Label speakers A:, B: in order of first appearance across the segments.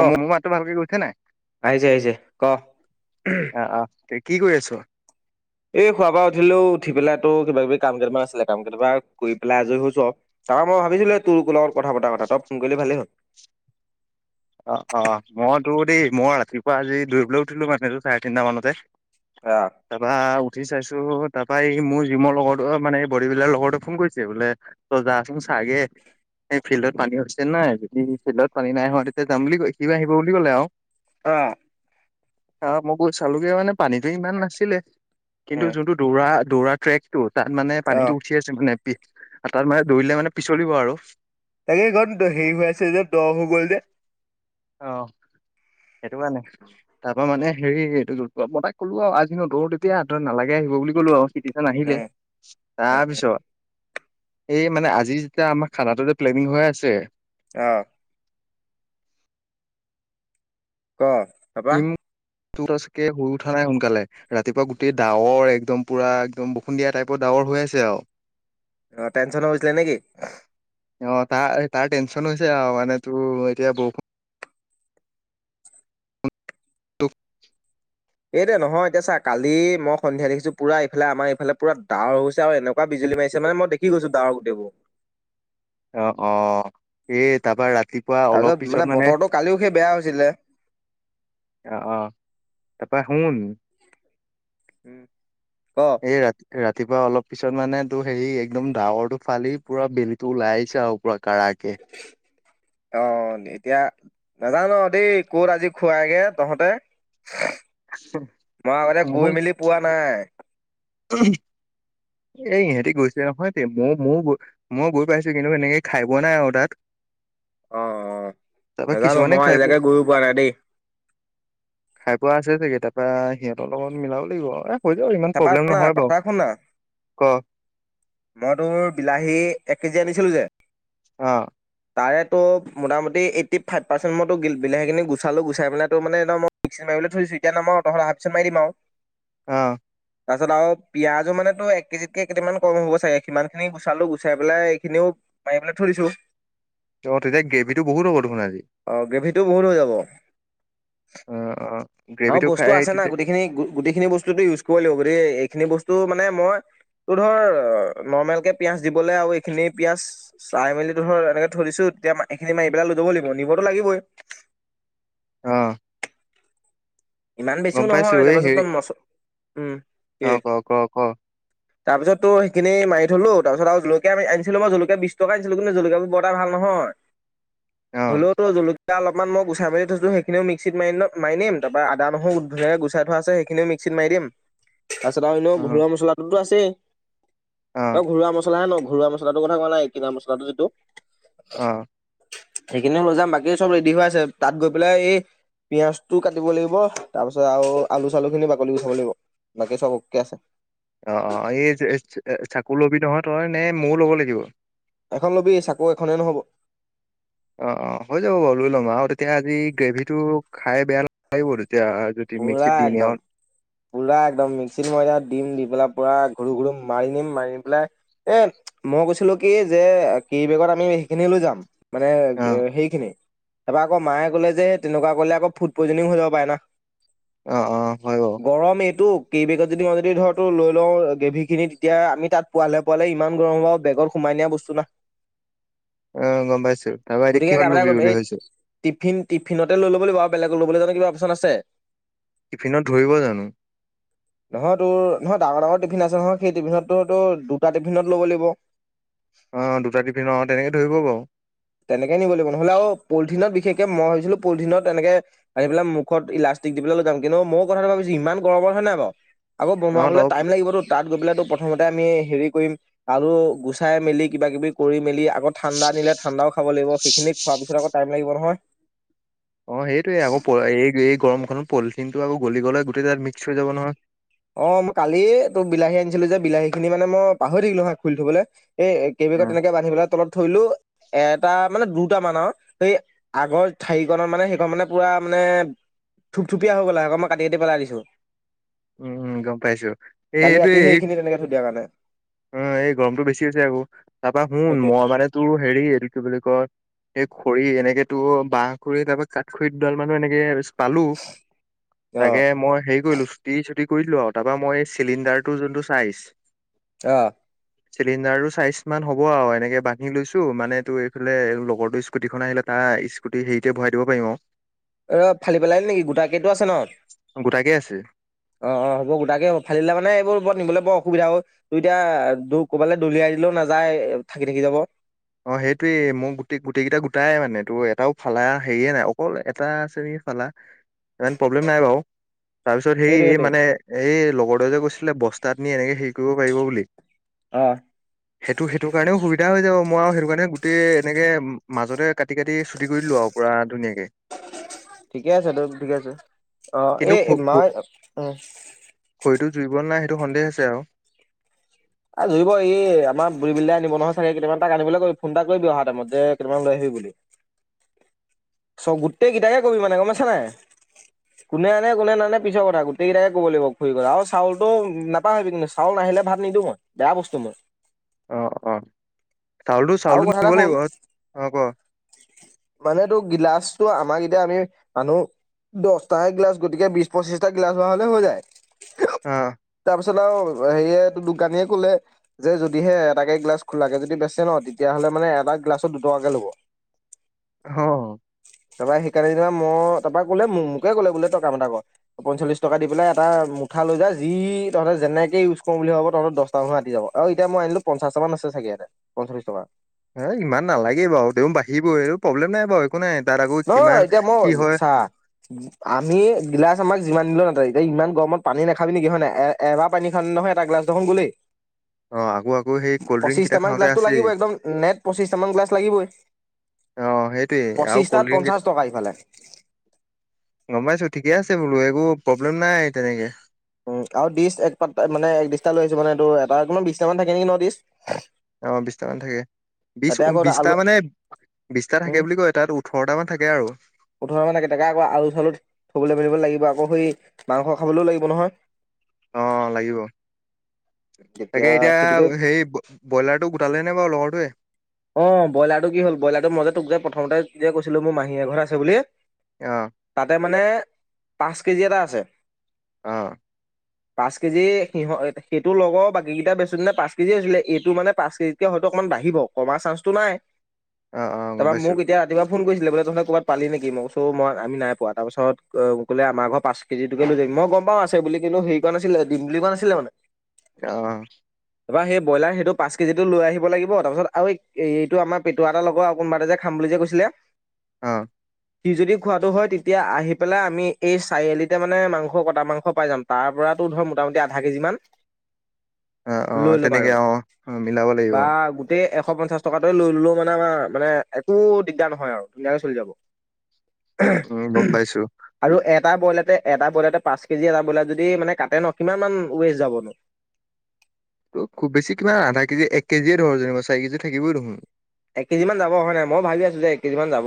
A: অ' মো- মোৰ মাতটো ভালকে গৈছে নাই?
B: আহিছে - আহিছে, ক'।
A: অ অ তে কি কৰি আছ?
B: এই শুৱাৰ পৰা উঠিলোঁ। উঠি পেলাইতো কিবা-কিবি কাম কেইটামান আছিলে। কাম কেইটাবা কৰি পেলাই আজৰি হৈছোঁ আৰু। তাৰ মই ভাবিছিলোঁ, তোৰ কো- লৰ কথা পতা কথা। তই ফোন কৰিলি ভালেই হ'ল।
A: [inaudible] অ' - অ', মই তো দেই মই ৰাতিপুৱা আজি দৌৰিবলৈ উঠিলো মানে, তোৰ চাৰে তিনটা মানতে।
B: অ
A: তাপা উঠি চাইছো। তাৰপা এই মোৰ জিমৰ লগৰতো মানে বোডি বিল্ডাৰ লগৰটোৱে ফোন কৰিছে বোলে, তই যা চোন চা- চাগে সেই ফিল্ডত পানী হৈছে নাই। যদি ফিল্ডত পানী নাই হোৱা তে যাম বুলি কয়- সিবা আহিব বুলি ক'লে আও।
B: অ।
A: আহ মই গৈ চালোগে মানে পানীতো ইমান নাছিলে কিন্তু
B: উম
A: যোনটো দৌৰা দৌৰা ট্ৰেকটো তাত মানে
B: অ
A: পানীটো উঠি আছে মানে পি তাত মানে দৌৰিলে মানে পিছলিব আৰু।
B: তাকে ক সেই হৈ আছে যে দ হৈ গ'ল যে।
A: অ, সেইটো কাৰনে তা অ মানে হেৰি মই তাক কলো আও আগদিনা দৌৰ তেতিয়া নালাগে আহিব বুলি কলো আও। তেতিয়া নাহিলে
B: উম উম উম
A: তাৰপিছত এই মানে আজি যেতিয়া আমা খানাটো যে প্লেনিং হৈ আছে
B: আহ। ক তাৰপৰা?
A: তু তচকে শুই উঠা নাই সোনকালে ৰাতিপুৱা গোটেই ডাৱৰ একদম পুৰা একদম বসুন্ধিয়া টাইপ ডাৱ বৰ হৈ আছে আও।
B: অ টেনচন হৈছিলে নেকি?
A: অ তাৰ তাৰ টেনচন হৈছে আহ মানে তোৰ এতিয়া বৰষু তুক
B: এইতে নহয় এতিয়া চা কালি মই সন্ধ্যা দেখিছো পুৰা ইফালে আমাৰ এইফালে পুৰা ডাৱৰ হৈছে আৰু এনেকুৱা বিজ মাৰিছে নহয়, মই দেখি গৈছো ডাৱৰ গোটেবো।
A: অ অ, এই তাপা ৰাত
B: তাৰপিছত মানে বতৰটো কালিও সেই বেয়া হৈছিলে।
A: অহ অহ, তাৰপা শুন
B: উম ক
A: এই ৰাত -ৰাত তিপুৱা অলপ পিছত মানে তো হেৰি একদম ডাৱৰটো ফালি পুৰা বেলিটো ওলাই আহিছে আৰু পুৰা। কাৰাকে।
B: অ এতিয়া, নাজান দেই কত আজি খুৱাইগে তহঁতে। মই আগতে গৈ মেলি পোৱা নাই।
A: উহ। এই ইহেঁতি গৈছে নহয় দে ময়ো ময়ো মও গৈ পাইছো কিন্তু এনেকে খাই পোৱা নাই আও তাত।
B: অ অ
A: তাৰপৰা
B: নাজানো
A: কিছুমানে
B: মই
A: খাই পো-
B: আজিলেকে গৈও পোৱা নাই দেই।
A: খাই পোৱা আছে চাগে তাপা সিহঁতৰ লগত মিলাব লাগিব আও এ কইলো ইমান
B: তাৰপা
A: প্ৰব্লেম
B: শুনা
A: নহয়
B: কথা
A: বাও।
B: শুনা মই তোৰ বিলাহী এক কেজি আনিছিলো যে,
A: অ।
B: তাৰেতো মোটামুটি এইটি ফাইভ পাৰ্চেণ্ট মইতো গিল বিলাহীখিনি গুচালোঁ গুচাই পেলাইটো মানে একদম [inaudible] পিলেথু জিকে ন ম অতখন অহা পিছে মাই দিম আও।
A: অ।
B: তাৰপিছত আও পিয়াজো মানেটো এক কেজিতকে কেইটিমান কম হ'ব চাগে কিমানখিনি গুচালো, গুচাই পেলাই এইখিনিও মায়িবলে থই দিছো।
A: অ তেতিয়া গেভিটো বহুত হব দেখোন আজি।
B: অ' গ্ৰেভিটো বহুত হৈ যাব।
A: অ অ।
B: আও
A: গ্ৰেভিটো
B: বস্তু
A: খাই
B: আছে নাই
A: তেতিয়া
B: গোটেইখিনি -গোটেইখিনি বস্তুটো ইউজ কইব লাগিব গতিকেদ এইখিনি বস্তু মানে মই তু ধৰ নৰ্মেল কে পিয়াজ দিবলে আও এইখিনি পিয়াজ চাই মেলি ধৰ এনেকে থৈ দিছো এতিয়া মা এইখিনি মায়ি পেলাই লৈ যাব লাগিব নিবতো লাগিবই।
A: অহ।
B: ইমান বেছিও নহয়,
A: এই
B: তাপাছত
A: হেৰি
B: বা মচ উম এ।
A: অ ক ক ক
B: তাৰপিছতো সেইখিনি মাৰি থলো, তাৰপিছত আৰু জলকীয়া আ মই জলকীয়া বিশ টকা আছিলো কিন্তু জলকীয়া বৰ এটা ভাল নহয়। হয়।
A: অ
B: হ'লেও তো জলকীয়া অলপমান মই গুচাই মেলি থৈছো সেইখিনিও মিক্সিত মি মাৰিম তাৰ বা আদা, নহৰু ধুনীয় গুচাই থোৱা আছে সেইখিনিও মিক্সিত মাৰি দিম। তাৰপিছত আৰু এ ন
A: অ অ
B: ঘৰুৱা মছলাটোতো আছেই, অ ঘৰুৱা মছলাহে ন ঘৰুৱা মছলাটো কথা কোৱা নাই কিনা মছলাটো যিটো
A: অ
B: সেইখিনি লৈ যাম বাকী চব ৰেডি হৈ আছে তাত গৈ পেলাই এই পিয়াজটো কাটি দিব লাগিব তাৰ পিছত আৰু আলু চালু খিনি বাকলি গুচাব লাগিব বাকী চব অকে আছে।
A: অ অ এই চাকু লবি নহয় তই নে ময়ও ল'ব লাগিব।
B: এখন লবি চাকো এখনে নহ'ব।
A: অ অ হৈ যাব বাৰু লৈ ল'ম আৰু তেতিয়া আজি গ্ৰেভি টো খাই বেয়া নালাগিব দে
B: পোৰা একদম পোৰা একদম মিক্সিৰ মইনাত দিম দিম বেলাৰ পৰা ঘূৰু ঘূৰু মাৰি নিম মাৰি নি পেলাই এ মই কৈছিলো কি যে কেৰি বেগত আমি সেইখিনি লৈ যাম। মানে
A: অ
B: সেইখিনি তাৰপৰা আকৌ মায়ে কলে যে সেই তেনেকোৱা কলে আকৌ ফুড পইজনিং হৈ যাব পাৰে না।
A: অ হয় বাৰু
B: গৰম এইটোক কেই বেগত যদি যদি ধৰ তো লৈ লও গ্ৰেভি খিনি তেতিয়া আমি তাত পোৱালে পোৱালে ইমান গৰম হ'ব বেগত সোমাই পনিয়া বস্তু না
A: [inaudible] গম পাইছো তাৰপৰা এতিয়া
B: গতিকে
A: কিহত
B: কাম এটা
A: লবি
B: কৰিম
A: বুলি
B: এই
A: ভাবিছ
B: টিফিন টিফিনতে লৈ ল'ব লাগিব আও বেলেগত ল'বলৈ জানো কিব অপশচন আছে
A: টিফিনত ধৰিব জানো
B: নহয় তোৰ নহয় ডাঙৰ ডাঙৰ টিফিন আছে নহয় সেই টিফিনততো দুটা টিফিনত ল'ব লাগিব।
A: অ দুটা টিফিনৰ অ তেনেকে ধৰিব বাও।
B: তেনেকে নিব লাগিব নহ'লে আৰু পলিথিনত বিশেষ ষকে মই ভাবছিলো পলিথিনত এনেকে আনি পেলাই মুখত ইলাষ্টিক দি পেলাই লৈ যাম কিন্তু মোৰ কথাটো ভাবিছো ইমান গৰমৰ হয় নাই বাও আকৌ
A: অ ত
B: বনোৱাবলে টাইম লাগিবতো তাত গৈ পেলাই তো প্ৰথমতে আমি হেৰি কৰিম আলু গুচাই মেলি কিবা কিবি কৰি মেলি আক ঠাণ্ডা আনিলে ঠাণ্ডা খাব লাগিব সেইখিনি খোৱাৰ পিছত আকৌ টাইম লাগিব নহয়।
A: অ সেইটোয়ে আকৌ প এই এই গৰমখনত পলিথিনটো আকৌ গলি গ'লে গোটেই তাত মিক্স হৈ যাব নহয়।
B: অ মই কালি এইটো বিলাহী আনিছিলো যে বিলাহী খিনি মানে মই পাহৰি থাকিলোহয় খুুলি থবলে- এ কেইবিগত তেনেকে বান্ধি পেলাই তলত থৰিলো। এটা মানে দুটামান আৰু সেই আগৰ ঠাৰিকত মানে সেইখন মানে পুৰা মানে- থুপথুপীয়া হব লাগে ক মই কাটি কাটি পেলাই দিছো
A: উম গম পাইছো এইটো এই
B: সেইখিনি তেনেকে থৈ দিয়া কাৰণে
A: অ এই গৰমতো বেছি হৈছে আকৌ তাৰপা শুন
B: সেইটোৱে
A: মই মানে তোৰ হেৰি কি বুলি কয় এই খৰি এনেকে তোৰ বাহ খৰি তাৰ পৰা কাঠ খৰি দুডাল মানুহ এনেকে- পালো তাকে
B: অ',
A: মই হেৰি কৰিলো তি কৰি দিলো আও তাৰপা মই চিলিণ্ডাৰটো যোনটো চাইজ-
B: অহ
A: চিলিণ্ডাৰটো চাইজ মান হ'ব আও এনেকে বান্ধি লৈছো মানে তোৰ এইফালে লগৰ তো স্কুটিখন আহিলে তাত স্কুটি হেৰিতে ভৰাই দিব পাৰিম আও
B: ৰ ফালি পেলাই নেকি গোটাকেইটো আছে ন
A: আৰু গোটাকে আছে।
B: অ অ হ'ব গোটাকে ফালিলে মানে এইবোৰ বৰ নিবলৈ বৰ অসুবিধা হল তই এতিয়া কবালে দলিয়াই দি তো নাযায় থাকি থাকি যাব।
A: অ সেইটোয়ে মোৰ গোটেই গোটেইকেইটা গোটাই মানে তোৰ এটাও ফালা হেৰিয়ে নাই অকল এটা শ্ৰেণী- ফালা ইমান প্ৰব্লেম নাই বাও তাৰ পিছত সে
B: সেইটোৱে
A: এই
B: সেইটোৱে
A: মানে এই লগৰটোৱে যে কৈছিলে বস্তাত নি এনেকে হেৰি কৰিব পাৰিব বুলি-
B: অ।
A: সেইটো সেইটো কাৰণেও সুবিধা হৈ যাব। মই আৰু সেইটো কাৰণে গোটেই এনেকে মাজতে কাটি কাটি চুটি কৰি দিলো আৰু পুৰা ধুনীয়াকে।
B: ঠিকে আছে দে ঠিকে আছে অ
A: কিন্তু
B: এই
A: খ
B: মা
A: খ
B: উম
A: খৰিটো জুৰিব নে নাই সেইটো সন্দেহ আছে আৰু
B: এ জুৰিব এই আমাৰ ৰিবিল দাই আনিব নহয় চাগে কেইটামান তাক আনিবলৈ কবি ফোন এটা কৰিবি অহা টাইমত যে কেইটামান লৈ আহিবি বুলি আহিবি বুলি।
A: [unintelligible]
B: চ গোটেই কেইটাকে কবি মানে গম পাইছা নাই। কোনে আনে কোনে নানে পিছৰ কথা গোটেই কেইটাকে ক'ব লাগিব ঘুৰিবলে আৰু চাউলটো নাপাহৰিবি কিন্তু। চউল নাহি- লে ভাত নিদো মই। বেয়া বস্তু মই।
A: অঁ অঁ চাউলটো
B: আৰু
A: চাউলটো
B: কথা এটা
A: নিব
B: শুন
A: লাগিব, অঁ ক?
B: মানে তোক গ্লাছটো আমাক এতিয়া আমি মানু্হ- দহটাহে গ্লাছ। গতিকে বিশ পঁচিশটা গ্লাছ হোৱা হ'লে হৈ যায়।
A: অঁ।
B: পিছত আৰু সেৰিয়ে এইটো দোকানীয়ে- ক'লে যে যদিহে এটাকে গ্লাছ খোলাকে যদি বেচে ন তেতিয়া হ'লে মানে এটা গ্লাছত দুই টকাকে ল'ব।
A: হঁ'
B: তাৰপৰা সেইকাৰণে যেনিবা মই তাৰ পৰা ক'লে মোকে ক'লে বোলে তই কাম এটা কৰ। পঞ্চল্লিশ টকা দি পেলাই এটা- উঠা লৈ যা যি তহঁতে যেনেকে ইউজ কৰো বুলি ভাব তহঁতৰ দহ- আৰাম চে আতি যাব আৰু এতিয়া মই আনিলো পঞ্চাটামান আছে চাগে ইয়াতে পঞ্চল্লিছ টকা।
A: এই ইমান নালাগে বাৰু তেওঁ বাঢ়িবই আৰু প্ৰব্লেম নাই বাৰু- একো নাই তাত আকৌ
B: নহয়
A: কিমান
B: এতিয়া মই
A: কি হয়
B: চা আমি গ্লাছ আমাক যিমান দিলো ন- তই তই ইমান গৰমত পানী নাখাবি নেকি হয় নাই। এবাৰ পানী খাওঁতে নহয় এটা গ্লাছ দেখোন গলেই।
A: অ আকৌ আকৌ সেই কল্ড ড্ৰিংক কেইটা
B: পঁচিশটামান
A: খাওঁতে
B: গ্লাছটো
A: আছেই
B: লাগিবই একদম নেট পঁচিশটামান গ্লাছ লাগিবই।
A: অঁ সেইটোৱেই। আৰু
B: পঁচিছটাত
A: কল্ড ড্ৰিংক
B: পঞ্চাশ
A: কেইটা
B: টকা ইফালে
A: গম পাইছো ঠিকে আছে বোলো। একো প্ৰব্লেম নাই তেনেকে।
B: উম আৰু ডিষ্ট এক পাত মানে এক ডিছটা লৈ আহিছে মানে এইটো এটা কিমান বিশটা মান থাকে নেকি ন ডিষ্ট।
A: অঁ বিশটামান থাকে। বিশ উ
B: আকৌ
A: বিশটা
B: আলু
A: মানে বিশটা থাকে বুলি কয় তাত ওঠৰটা মান থাকে আৰু।
B: ওঠৰ টা মানে থাকে তাতে আলু চালু থবলৈ মেলিব লাগিব আকৌ সেই মাংস খাবলৈও লাগিব নহয়।
A: অঁ লাগিব। তাকে
B: তেতিয়া
A: এতিয়া
B: সেইটোকে
A: সেই ব্ৰইলাৰটো গোটালে নে বাৰু লগৰটোৱে?
B: অঁ ব্ৰইলাৰটো কি হ'ল ব্ৰইলাৰটো মই যে তোক যে প্ৰথমতে যে কৈছিলো মোৰ মাহীয়ে ঘৰত আছে বুলি।
A: অ
B: তাতে মানে পাঁচ কেজি এটা আছে।
A: অঁ।
B: পাঁচ কেজি সিহঁ সেইটো লগৰ বাকী কেইটা বেছোতে পাঁচ কেজি হৈছিলে। এইটো মানে পাঁচ কেজিতকে হ- অকমান বাঢ়িব। কমাৰ চান্সটো নাই।
A: অঁ অঁ গম
B: তাৰপৰা মোক
A: পাইছোঁ।
B: এতিয়া ৰাতিপুৱা ফোন কৰিছিলে বোলে তহঁতৰ ক'ৰবাতা পালি নেকি? মই কৈছোঁ মই আমি নাই পোৱা তাৰপাছত ক'লে আমাৰ ঘৰৰ পাঁচ কেজিটোকে লৈ যাবি। মই গম পাওঁ আছে বুলি কিন্তু সেৰি কোৱা নাছিলে দিম বুলি কোৱা নাছিলে মানে।
A: অঁ।
B: এইবাৰ সেই ব্ৰইলাৰ সেইটো পাঁচ কেজিটো লৈ আহিব লাগিব। তাৰপিছত- আৰু এই এইটো আমাৰ পেটোৰা এটা লগৰ আৰু কোনোবা এটা যে খাম বুলি যে কৈছিলে।
A: অঁ।
B: সি যদি খোৱাটো হয় তেতিয়া আহি পেলাই আমি এই চাৰিআলিতে মানে মাংস কটা মাংস পাই যাম। তাৰ পৰা- ধৰ মোটামুটি আধা কেজি মান।
A: অঁ অঁ
B: লৈ ল'ম
A: তেনেকে
B: আৰু
A: অঁ মিলাব লাগিব।
B: বা গোটেই এশ পঞ্চাশ টকা তই লৈ ললো মানে আমাৰ মানে একো দিগদাৰ নহয় আৰু ধুনীয়াকে চলি যাব।
A: উম গম পাইছো
B: আৰু এট- এটা বইলাৰতে এটা বইলাৰতে পাঁচ কেজি এটা বইলাৰ যদি মানে কাটে ন কিমান মান ৱেষ্ট যাব নো
A: ত খুব বেছি কিমান আধা কেজি এক কেজিয়ে ধৰ যেনিবা চাৰি কেজি থাকিবই দেখোন।
B: এক কেজি মান যাব হয় নাই মই ভাবি আছো যে এক কেজি মান যাব।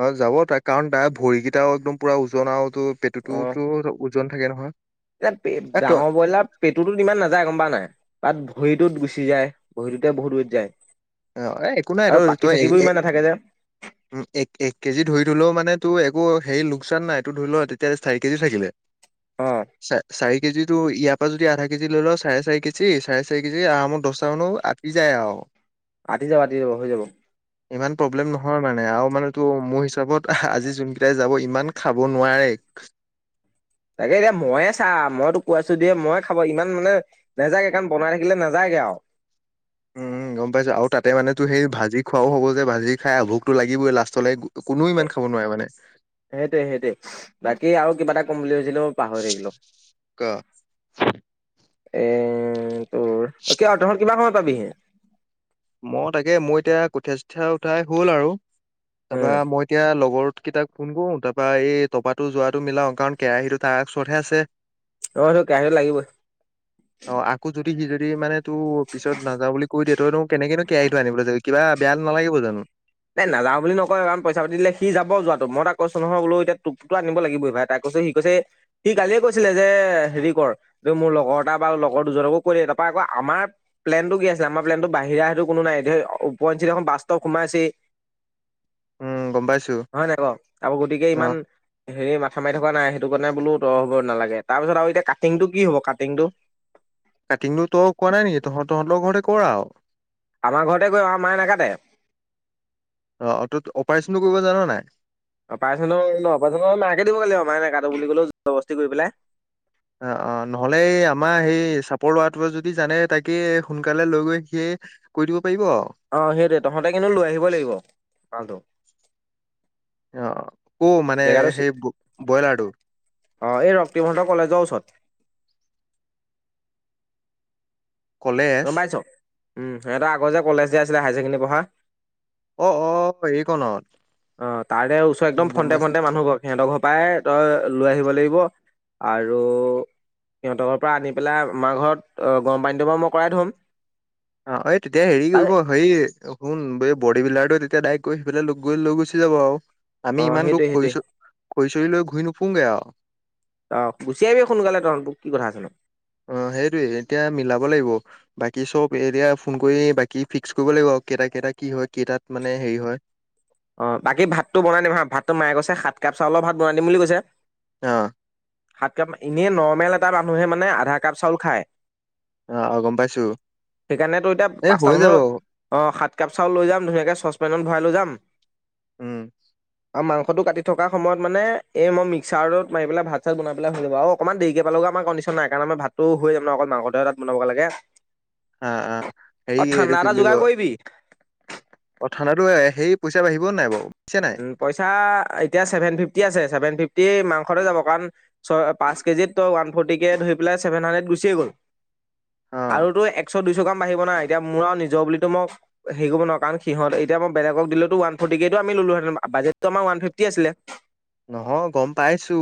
A: অ, যাব তাৰ কাৰণ তাৰ ভৰিকেইটাও একদম পুৰা ওজন আৰু তোৰ পেটুটোওতৰ ওজ ওজন থাকে নহয়।
B: ইয়াত পেট
A: এ তই
B: ডাঙৰ বইলাৰ পেটুটোত ইমান নাযায় গম পাও নাই তাত ভৰিটোত গুচি যায়। ভৰিটোতে বহুত ৱেট যায়।
A: অ এ একো নাই
B: আৰু
A: তই তই
B: পাকি-চাকিবোৰ ইমান নাথাকে যে
A: উম এক এক কেজি ধৰি থলেও মানে তোৰ এক আকৌ হেৰি লোকচান নাই এইটো ধৰি ল তেতিয়া চাৰি কেজি থাকিলে
B: অ
A: চা চাৰি কেজিটো ইয়াৰ পৰা যদি আধা কেজি লৈ লওঁ চাৰে চাৰি কেজি চাৰে চাৰি কেজি আৰামত দশটা মানুহ আটি যায় আৰু
B: আটি যাব আটি যাব হৈ যাব।
A: ইমান প্ৰব্লেম নহয় মানে আৰু মানে তোৰ মোৰ হিচাপত আহা আজি যোন কেইটাই যাব ইমান খাব নোৱাৰে। খস্ [unintelligible]
B: তাকে এতিয়া মইয়ে চা মই তোক কৈ আছো দিয়ে মইয়ে খাব ইমান মানে নেযায়গে কাৰণ বনাই থাকিলে নেযায়গে আৰু
A: [inaudible] উম, গম পাইছো আৰু তাতে মানে তোৰ সেই ভাজি খোৱাও হ'ব যে ভাজি খাই ভুকটো লাগিবই লাষ্টলে গ
B: এ সেইটোৱে সেইটোৱে উস বাকী আৰু কিবা এটা কম বুলি ভাবছিলো পাহৰি থাকিলো।
A: ক
B: এ এ এ এ এ এত তোৰ। কিয় তহঁত কিমান সময় পাবিহি?
A: মই তাকে মই এতিয়া কঠিয়া-চুঠিয়া উঠাই হ'ল আৰু।
B: উম
A: তাৰপৰা মই এতিয়া লগৰ কেইটাক ফোন কৰো তাৰপৰা এই টপাটো যোৱাটো মিলাও কাৰণ কেৰাহীটো তাৰ ওচৰতহে আছে।
B: অ তোৰ কেৰাহীটো লাগিবই
A: কিন্তু যদি সি মানে তোৰ পিছত নাযাওঁ বুলি কৈ দিয়ে তইনো কেনেকেনো কেৰাহীটো আনিবলৈ যাবি কিবা বেয়া নালাগিব জানো
B: তাই নেযাওঁ বুলি নকয়, কাৰণ পইচা-পাতি দিলে সি যাব যোৱাটো মই তাক কৈছো নহয় বোলো এতিয়া তোক তো আনিব লাগিবৈ ভাই এটা ক সি কৈছে সি কালিয়ে কৈছিলে যে হেৰি কৰ যে মোৰ লগৰ এটা বা লগৰ দুজনকো কৈ দে তাৰপৰা আকৌ আমাৰ প্লেনটো কি আছিল আমাৰ প্লেন টো বাহিৰা সেইটো কোনো নাই ঢেৰ এ ওপৰঞ্চি যখন‌ বাছতো সোমাইছে
A: উম গম পাইছো
B: হয় নাই বাও, আকৌ গতিকে
A: অ
B: ইমান হেৰি মা থামাই থকা নাই সেইটো কাৰণে বোলো ত হ'ব নালাগে। তাৰপিছত আৰু এতিয়া কাটিংটো কি হ'ব কাটিংটো?
A: কাটিংটো তোক কোৱা নাই নিকি তহঁত তহঁতৰ ঘৰতে কৰ আৰু।
B: আমাৰ ঘৰতে গৈ আমাৰ মায়ে নেকাটে
A: অ অ তই অপাৰেচনটো কৰিব জান নাই
B: অপাৰচনৰ অপাৰচনৰ মাকে দিব লাগিব মায়ে নেকাটে বুলি ক'লেও জবৰবস্তি কৰি পেলাই।
A: অ অ নহলে এই আমাৰ সেই চাপৰ লৰাটোৱে যদি জানে তাকে সোনকালে লৈ গৈ সিয়ে। ই আহ্ কৰি দিব। পাৰিব আৰু
B: অহ সেইটোৱে তহঁতে কিন্তু লৈ আহিবই লাগিব পালটো।
A: অ অ ও মানে
B: চি
A: সেই ব বইলাৰটো।
B: অ এই ৰক্তিমহঁতৰ কলেজৰ ওচৰত
A: কলেজ
B: গম পাইছ উম সিহঁতৰ আগৰ যে কলেজ যে আছিলে হাই-ছেকেণ্ডেৰী পঢ়া
A: অ অ এইখনত
B: অ, তাৰে ওচৰত একদম ফ্ৰণ্টে ফ্ৰন্টে মানুহ গ'ল সিহঁতৰ ঘৰত পাইয়ে তই লৈ আহিব লাগিব আৰু সিহঁতৰ ঘৰৰ পৰা আনি পেলাই আমাৰ ঘৰত অ গৰম পানীটো বাৰু মই কৰাই থ'ম।
A: অ, এই তেতিয়া হেৰি
B: তাৰে
A: কৰিব হৈয়ে শুন বে বডী-বিল্ডাৰটোৱে তেতিয়া ডাইৰেক্ট গৈ সিফালে লগ গৈ লৈ গুচি যাব আৰু
B: অ
A: আমি ইমান দূৰ
B: সেইটোৱে সেইটোৱে
A: খৰি-চৰি লৈ, খৰি-চৰি লৈ ঘূৰি নুফুঙে আৰু
B: অ, গুচি আহিবি সোনকালে তহঁতবোৰ কি কথা আছে নো
A: অ, সেইটোৱে এতিয়া মিলাব লাগিব, বাকী চব এতিয়া ফোন কৰি বাকী ফিক্স কৰিব লাগিব কেইটা কেইটা কি হয়? কেইটাত মানে হেৰি হয়?
B: অ' বাকী ভাতটো বনাই দিম হা, ভাতটো মায়ে গৈছে সাত কাপ চাউলৰ ভাত বনাই দিম বুলি কৈছে।
A: অ'।
B: সাত কাপ ইনেই নৰ্মেল এটা মানুহে মানে আধা কাপ চাউল খায়।
A: অ'- অ' গম পাইছো।
B: সেইকাৰণেটো এতিয়া
A: এ
B: পাঁচটা
A: হৈ যাব
B: মানুহৰ অ' সাত কাপ চাউল লৈ যাম ধুনীয়াকে চচ [unintelligible] ভৰাই লৈ যাম।
A: উম,
B: আৰু মাংসটো কাটি থকা সময়ত মানে এই মই মিক্সাৰত মাৰি পেলাই ভাত চাত বনাই পেলাই হৈ যাব আৰু অকনমান দেৰিকে পালেওঁগে আমাৰ কণ্ডিচন নাই, কাৰণ আমাৰ ভাততো হৈ যাব ন অকল মাংসতোহে তাত বনাবগে লাগে।
A: অ অ হেৰি
B: অ',
A: এইটো
B: ঠাণ্ডা
A: কি
B: এটা
A: বুলি
B: যোগাৰ
A: কয়
B: কৰিবি।
A: অ', ঠাণ্ডাতো এ হেৰি পইচা বাঢ়িব নাই বাওঁ?
B: উ পইচা এতিয়া ছেভেন ফিফটি আছে, ছেভেন ফিফ গেই মাংসতে যাব কাৰণ ছ পাঁচ কেজিত ত ওৱান ফৰ্টি কে ধৰি পেলাই ছেভেন হাণ্ড্ৰেড গুচিয়ে গ'ল।
A: অ
B: আৰু তো একশ দু কাম বাঢ়িব না এতিয়া মোৰ আৰু নিজৰ বুলিটো মই হেৰি কৰিব নোৱাৰোঁ। কাৰণ সিহঁত এতিয়া মই বেলেগক দিলেটো ওৱান ফৰ্টি কেই ত আ আমি ললো হেতেন বাজেট টো আমাৰ ওৱান ফিফটি আছিলে৷
A: নহয় গম পাইছো